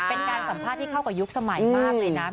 เป็นการสัมภาษณ์ที่เข้ากับยุคสมัยมากเลยนะ